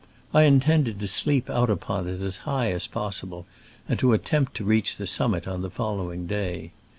I intended to sleep out upon it as high as possible, and to attempt to reach the summit on the following day.